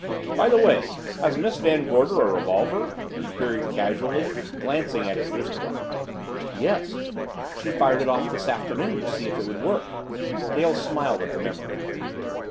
"By the way, has Miss Van Gorder a revolver?" he queried casually, glancing at his wrist watch. "Yes she fired it off this afternoon to see if it would work." Dale smiled at the memory.